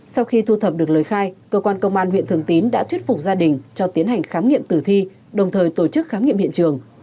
sau khi thu thập được lời khai cơ quan công an huyện thường tín đã thuyết phục gia đình cho tiến hành khám nghiệm tử thi đồng thời tổ chức khám nghiệm hiện trường